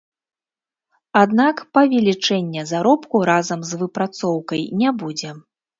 Аднак павелічэння заробку разам з выпрацоўкай не будзе.